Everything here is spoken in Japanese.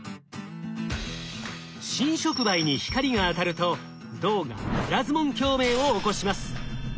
新触媒に光が当たると銅がプラズモン共鳴を起こします。